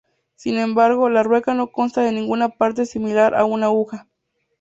Sin embargo, la rueca no consta de ninguna parte similar a una aguja.